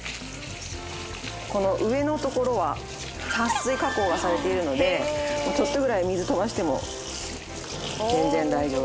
この上のところははっ水加工がされているのでちょっとぐらい水飛ばしても全然大丈夫。